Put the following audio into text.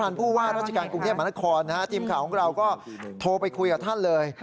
นาฬจิการกรุงเทพมนธครทีมข่าวของเราก็โทรไปคุยกับท่านเลย